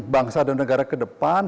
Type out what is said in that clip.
bangsa dan negara ke depan